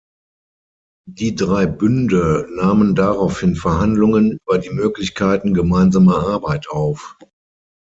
Die drei Bünde nahmen daraufhin Verhandlungen über die Möglichkeiten gemeinsamer Arbeit auf.